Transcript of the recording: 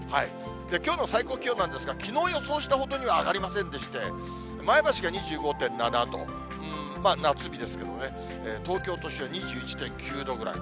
きょうの最高気温なんですが、きのう予想したほどには上がりませんでして、前橋が２５．７度、夏日ですけどね、東京都心は２１．９度ぐらい。